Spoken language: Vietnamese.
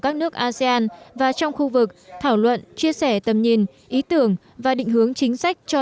các nước asean và trong khu vực thảo luận chia sẻ tầm nhìn ý tưởng và định hướng chính sách cho